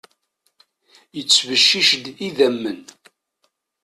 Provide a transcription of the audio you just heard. Yettbeccic-d idammen.